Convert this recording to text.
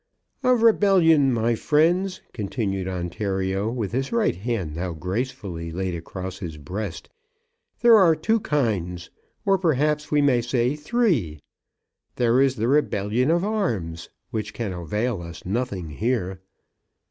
"Of Rebellion, my friends," continued Ontario, with his right hand now gracefully laid across his breast, "there are two kinds, or perhaps we may say three. There is the rebellion of arms, which can avail us nothing here."